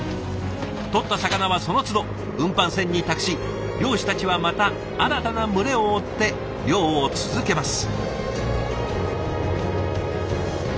とった魚はそのつど運搬船に託し漁師たちはまた新たな群れを追って漁を続けます。